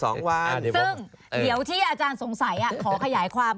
ซึ่งเดี๋ยวที่อาจารย์สงสัยขอขยายความ